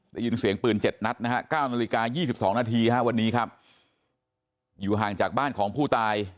ได้ยินเสียงปืนเจ็ดนัดนะครับ๙นาฬิกา๒๒นาทีอยู่ห่างจากบ้านของผู้ตาย